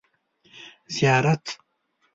زیارت